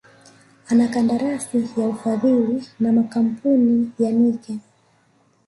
ana kandarasi ya ufadhili na kamapuni ya Nike